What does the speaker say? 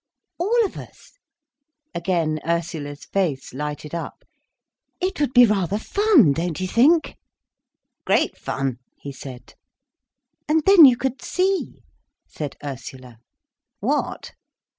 "All of us?" Again Ursula's face lighted up. "It would be rather fun, don't you think?" "Great fun," he said. "And then you could see," said Ursula. "What?"